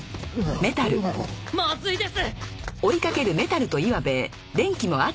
まずいです！